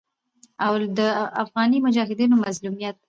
او د افغاني مجاهدينو مظلوميت